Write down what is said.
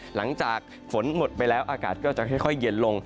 หลังจากฝนหมดไปแล้วอากาศก็จะค่อยเย็นลง